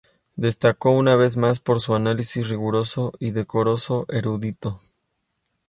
Destacó una vez más por su análisis riguroso y decoro erudito.